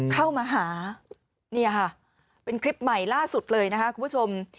เข้ามาหาเนี่ยค่ะเป็นคลิปใหม่ล่าสุดเลยนะคะคุณผู้ชม